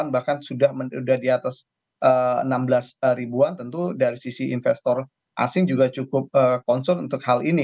bahkan sudah di atas enam belas ribuan tentu dari sisi investor asing juga cukup concern untuk hal ini